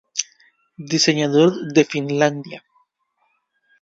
Diseñador de Finlandia.